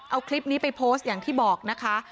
เอาคลิปนี้ไปโพสต์อย่างที่บอกนะคะ